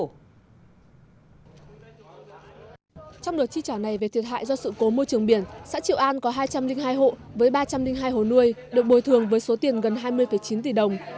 trong đợt chi trả này về thiệt hại do sự cố môi trường biển xã triệu an có hai trăm linh hai hộ với ba trăm linh hai hồ nuôi được bồi thường với số tiền gần hai mươi chín tỷ đồng